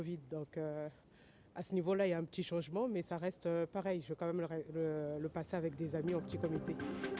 jadi di situ ada perubahan tapi saya masih ingin mengadakan makan malam bersama keluarga